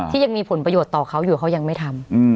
ยังมีผลประโยชน์ต่อเขาอยู่เขายังไม่ทำ